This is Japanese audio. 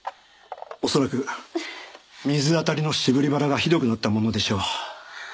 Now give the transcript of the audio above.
恐らく水あたりの渋り腹がひどくなったものでしょう